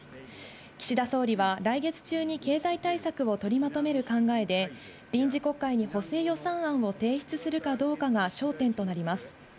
岸田総理は来月中に経済対策を取りまとめる考えで、臨時国会に補正予算案を提出するかどうかが焦点となります。